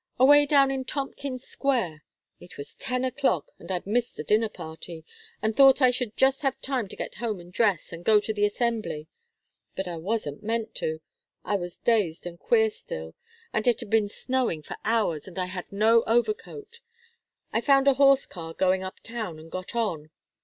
Away down in Tompkins Square. It was ten o'clock, and I'd missed a dinner party, and thought I should just have time to get home and dress, and go to the Assembly. But I wasn't meant to. I was dazed and queer still, and it had been snowing for hours and I had no overcoat. I found a horse car going up town and got on.